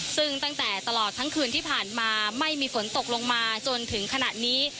ซึ่งตั้งแต่ตลอดทั้งคืนที่ผ่านมาไม่มีฝนตกลงมาจนถึงขณะนี้